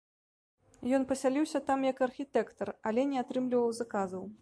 Ён пасяліўся там як архітэктар, але не атрымліваў заказаў.